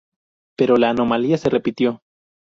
Pero la anomalía se repitió.